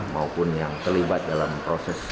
maupun yang terlibat dalam proses